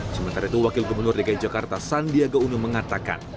sementara itu wakil gubernur dki jakarta sandiaga uno mengatakan